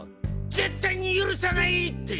絶対に許さないって！